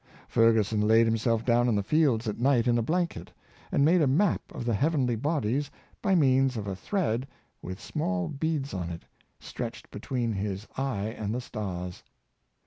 Ferguson laid himself down in the fields at night in a blanket, and FrafiMin — Professor Lee, 253 made a map of the heavenly bodies by means of a thread with small beads on it stretched between his eye and the stars.